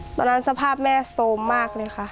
ตอนนั้นสภาพแม่โสมมาก